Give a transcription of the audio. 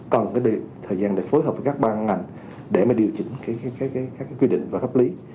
cần cái thời gian để phối hợp với các ban ngành để mà điều chỉnh các quy định và pháp lý